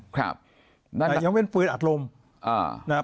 แต่ยังไม่เป็นปืนอัดลมนะครับ